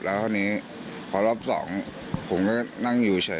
แล้วคราวนี้พอรอบสองผมก็นั่งอยู่เฉย